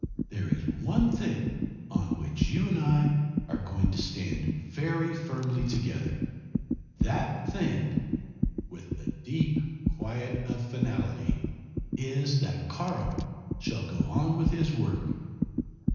There is one thing on which you and I are going to stand very firmly together. That thing," with the deep quiet of finality "is that Karl shall go on with his work."